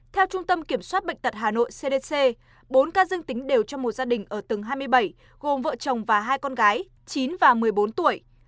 theo trung tâm kiểm soát bệnh tật hà nội cdc bốn ca dương tính đều trong một gia đình ở tầng hai mươi bảy gồm vợ chồng và hai con gái chín và một mươi bốn tuổi